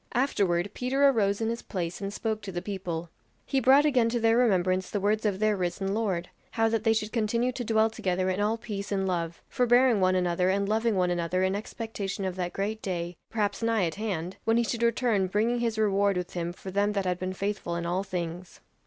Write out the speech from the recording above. Afterward Peter arose in his place and spoke to the people; he brought again to their remembrance the words of their risen Lord, 'how that they should continue to dwell together in all peace and love, forbearing one another and loving one another in expectation of that great day, perhaps nigh at hand, when he should return bringing his reward with him for them that had been faithful in all things.